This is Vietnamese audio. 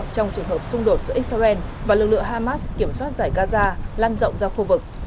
trong trường hợp xung đột giữa israel và lực lượng hamas kiểm soát giải gaza lan rộng ra khu vực